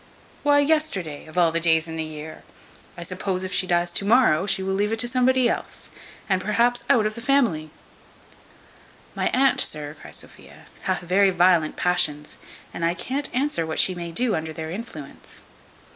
Why yesterday, of all the days in the year? I suppose if she dies to morrow, she will leave it to somebody else, and perhaps out of the vamily." "My aunt, sir," cries Sophia, "hath very violent passions, and I can't answer what she may do under their influence."